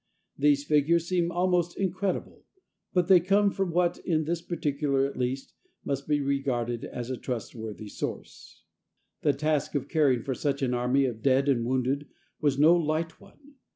These figures seem almost incredible, but they come from what, in this particular at least, must be regarded as a trustworthy source. The task of caring for such an army of dead and wounded was no light one.